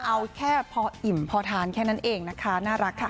เอาแค่พออิ่มพอทานแค่นั้นเองนะคะน่ารักค่ะ